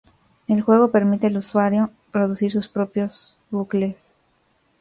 El juego permite al usuario producir sus propios bucles.